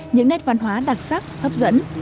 những nét văn hóa đặc sắc hấp dẫn